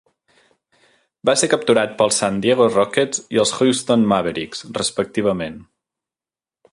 Va ser capturat pels San Diego Rockets i els Houston Mavericks, respectivament.